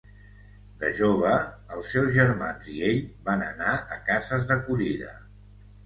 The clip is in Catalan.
De jove, els seus germans i ell van anar a cases d'acollida.